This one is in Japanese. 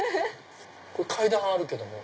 階段あるけども。